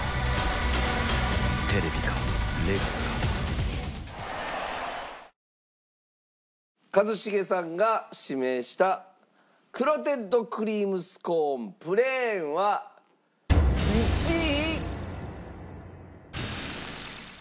ニトリ一茂さんが指名したクロテッドクリームスコーンプレーンは１位。